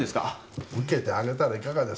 受けてあげたらいかがですか？